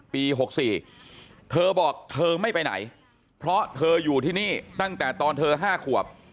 ปี๖๔เธอบอกเธอไม่ไปไหนเพราะเธออยู่ที่นี่ตั้งแต่ตอนเธอ๕ขวบ